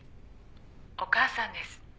お母さんです。